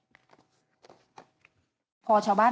ไปรับศพของเนมมาตั้งบำเพ็ญกุศลที่วัดสิงคูยางอเภอโคกสำโรงนะครับ